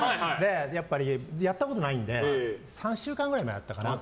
やっぱりやったことないので３週間ぐらい前だったかな。